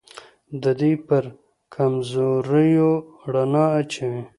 د دوی پر کمزوریو رڼا اچوي